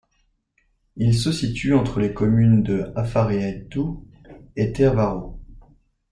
Il se situe entre les communes de Afareaitu et Teavaro.